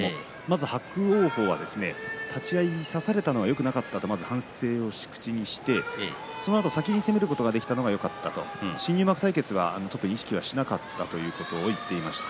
伯桜鵬は立ち合い差されたのはよくなかったと反省を口にしてそのあと、先に攻めることができたのがよかったと新入幕対決は特に意識しなかったと言っていました。